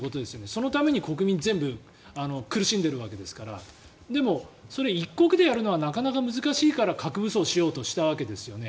そのために国民全部苦しんでるわけですからでもそれ一国でやるのはなかなか難しいから、核武装をしようとしたわけですよね。